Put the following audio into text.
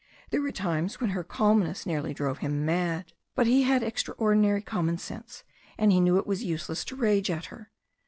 There were times when her calmness nearly drove him mad. But he had extraordinary common sense, and he knew it was useless to rage at her.